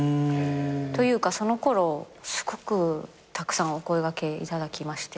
というかその頃すごくたくさんお声掛けいただきまして。